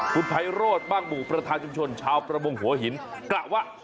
คุณไพโรธบ้างหมู่ประธานชุมชนชาวประมงหัวหินกล่าวว่า